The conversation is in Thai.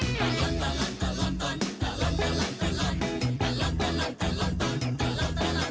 สุดยอดน้ำมันเครื่องจากฝนศัตริย์น้ำมันอันดับหนึ่งในญี่ปุ่น